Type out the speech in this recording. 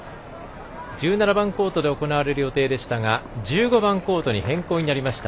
１７番コートで行われる予定でしたが１５番コートに変更になりました。